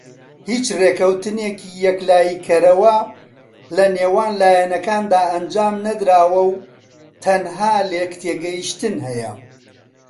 هیچ ڕێککەوتنێکی یەکلایی کەرەوە لەنێوان لایەنەکاندا ئەنجام نەدراوە و تەنها لێکتێگەیشتن هەیە.